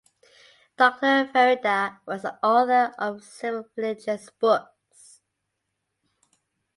Dr Farida was the author of several religious books.